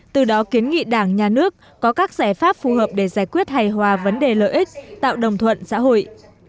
từ đó kiến nghị đảng nhà nước có các giải pháp phù hợp để giải quyết hài hòa vấn đề lợi ích tạo đồng thuận xã hội